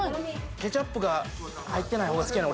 ケチャップが入ってない方が好きやねん俺。